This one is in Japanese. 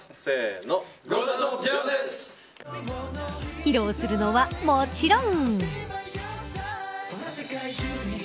披露するのはもちろん。